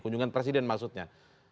kunjungan presiden maksudnya